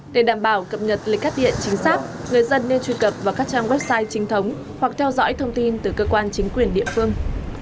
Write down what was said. để đảm bảo cập nhật lịch cắt điện chính xác người dân nên truy cập vào các trang website chính thống hoặc theo dõi thông tin từ cơ quan chính quyền địa phương